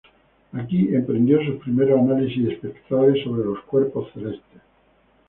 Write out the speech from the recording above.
Aquí emprendió sus primeros análisis espectrales sobre los cuerpos celestes.